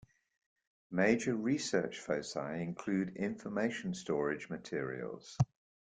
Major research foci include information storage materials.